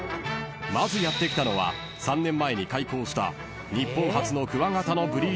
［まずやって来たのは３年前に開校した］